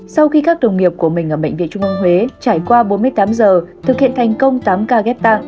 sau khi các đồng nghiệp của mình ở bệnh viện trung ương huế trải qua bốn mươi tám giờ thực hiện thành công tám ca ghép tạng